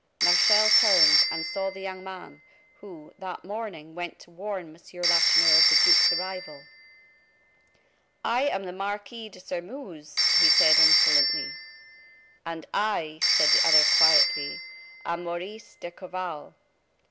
Martial turned, and saw the young man, who, that morning, went to warn M. Lacheneur of the duke's arrival. "I am the Marquis de Sairmeuse," he said, insolently. "And I," said the other, quietly, "am Maurice d'Escorval."